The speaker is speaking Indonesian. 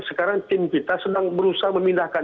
sekarang tim kita sedang berusaha memindahkan